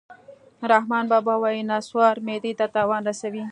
رحمان بابا وایي: نصوار معدې ته تاوان رسوي